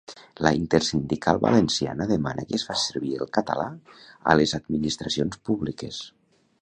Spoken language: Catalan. La Intersindical Valenciana demana que es faci servir el català a les administracions públiques.